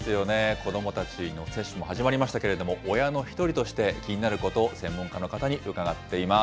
子どもたちの接種も始まりましたけれども、親の一人として、気になること、専門家の方に伺っています。